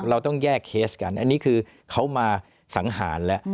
เราต้องแยกเคสกันอันนี้คือเขามาสังหารแล้ว